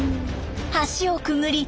橋をくぐり